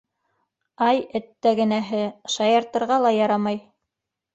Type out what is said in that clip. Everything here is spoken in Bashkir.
Ай әттәгенәһе... шаяртырға ла ярамай.